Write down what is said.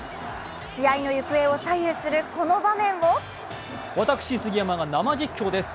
試合の行方を左右するこの場面を私、杉山が生実況です。